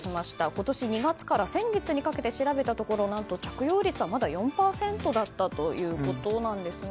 今年２月から先月にかけて調べたところなんと着用率は、まだ４％だったということなんですね。